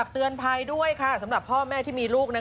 เตือนภัยด้วยสำหรับพ่อแม่ที่มีลูก